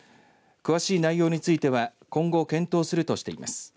詳しい内容については今後、検討するとしています。